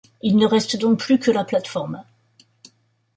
Il ne reste donc plus que la plateforme.